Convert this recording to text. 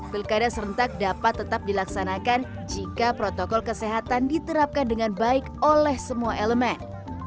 pilkada serentak dapat tetap dilaksanakan jika protokol kesehatan diterapkan dengan baik oleh semua elemen